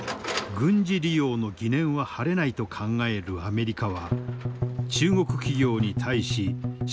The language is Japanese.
軍事利用の疑念は晴れないと考えるアメリカは中国企業に対し資産凍結などの制裁を科した。